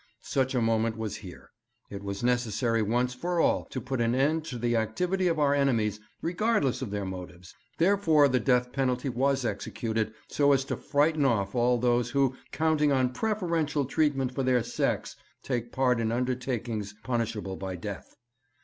Such a moment was here. It was necessary once for all to put an end to the activity of our enemies, regardless of their motives; therefore the death penalty was executed so as to frighten off all those who, counting on preferential treatment for their sex, take part in undertakings punishable by death.